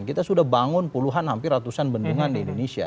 kita sudah bangun puluhan hampir ratusan bendungan di indonesia